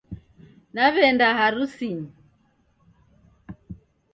Naw'enda harusinyi